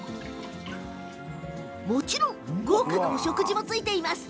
もちろん豪華なお食事もついています。